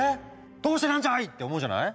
どうしてなんじゃい！って思うじゃない。